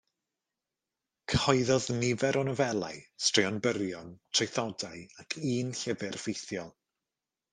Cyhoeddodd nifer o nofelau, straeon byrion, traethodau, ac un llyfr ffeithiol.